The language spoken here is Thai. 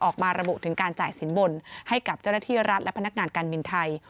ออกมาระบุถึงการจ่ายสินบนให้กับเจ้าหน้าที่รัฐและพนักงานการบินไทย